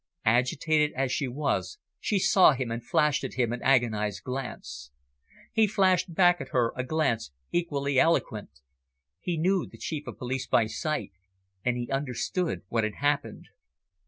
Agitated as she was, she saw him, and flashed at him an agonised glance. He flashed back at her a glance equally eloquent. He knew the Chief of Police by sight, and he understood what had happened.